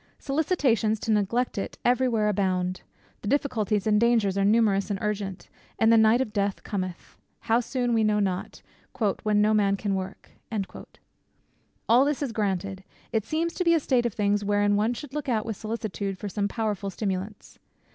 Solicitations to neglect it every where abound: the difficulties and dangers are numerous and urgent; and the night of death cometh, how soon we know not, "when no man can work." All this is granted. It seems to be a state of things wherein one should look out with solicitude for some powerful stimulants.